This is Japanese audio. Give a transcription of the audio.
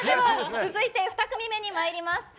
続いて、２組目にまいります。